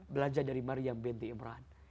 belajar dari maryam binti imran